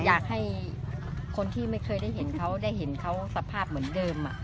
อยากให้คนที่ไม่เคยได้เห็นเขาได้เห็นเขาสภาพเหมือนเดิม